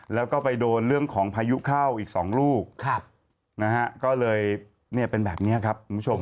แล้วก็ไปโดนเรื่องของพายุเข้าอีก๒ลูกก็เลยเนี่ยเป็นแบบนี้ครับคุณผู้ชม